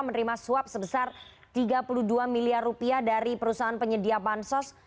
menerima suap sebesar tiga puluh dua miliar rupiah dari perusahaan penyedia bansos